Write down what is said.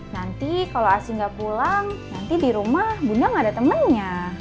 nanti kalau asi nggak pulang nanti di rumah bunda nggak ada temennya